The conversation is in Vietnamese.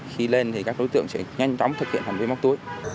khi lên thì các đối tượng sẽ nhanh chóng thực hiện hành vi móc túi